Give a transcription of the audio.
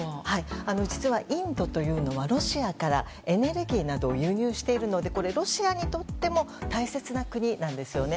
実はインドというのはロシアからエネルギーなどを輸入しているのでロシアにとっても大切な国なんですよね。